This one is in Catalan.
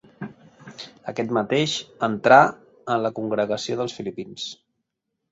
Aquest mateix entrà en la congregació dels filipins.